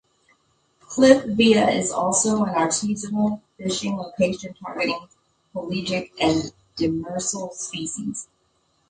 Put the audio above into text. Cliff Villa is also an artisanal fishing location targeting pelagic and demersal species.